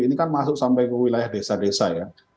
ini kan masuk sampai ke wilayah desa desa ya